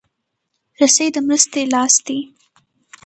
رسۍ د مرستې لاس دی.